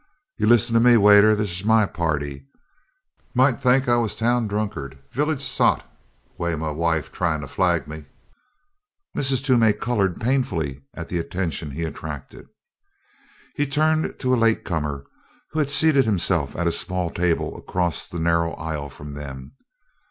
"You lis'en me, waiter, thish my party. Might think I was town drunkard village sot way my wife tryin' flag me." Mrs. Toomey colored painfully at the attention he attracted. He turned to a late comer who had seated himself at a small table across the narrow aisle from them.